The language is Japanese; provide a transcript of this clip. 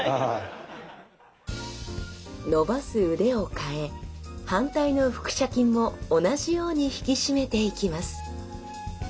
伸ばす腕を変え反対の腹斜筋も同じように引き締めていきます